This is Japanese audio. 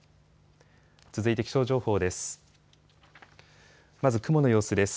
続いて気象情報です。